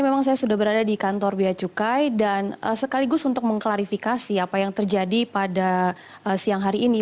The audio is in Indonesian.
memang saya sudah berada di kantor beacukai dan sekaligus untuk mengklarifikasi apa yang terjadi pada siang hari ini